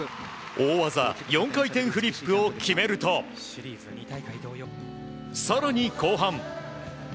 大技４回転フリップを決めると更に後半。